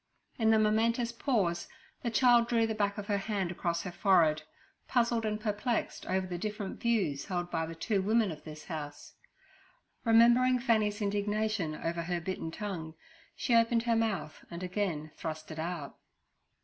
In the momentous pause the child drew the back of her hand across her forehead, puzzled and perplexed over the different views held by the two women of this house. Remembering Fanny's indignation over her bitten tongue, she opened her mouth and again thrust it out.